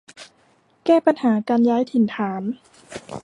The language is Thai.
แก้ปัญหาการย้ายถิ่นฐาน